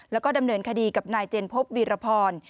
แล้วก็ดำเนินคดีกับนายเจนพบวีรพร